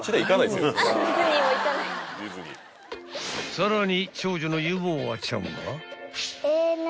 ［さらに］